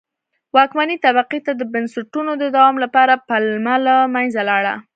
واکمنې طبقې ته د بنسټونو د دوام لپاره پلمه له منځه لاړه.